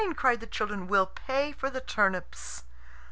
cried the children. "We'll pay for the turnips."